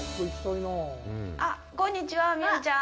あ、こんにちは、美桜ちゃん。